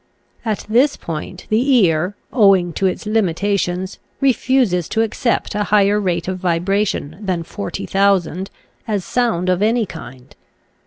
At this point the ear, owing to its limitations, refuses to accept a higher rate of vibration than 40,000 as sound of any kind.